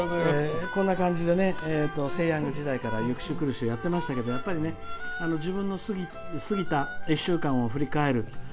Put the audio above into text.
こんな感じで「セイ！ヤング」時代から「ゆく週くる週」やってきましたけどやっぱり自分の過ぎた１週間を振り返る。